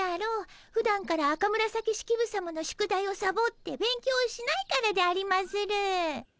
ふだんから赤紫式部さまの宿題をサボって勉強しないからでありまする。